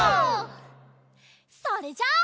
それじゃあ。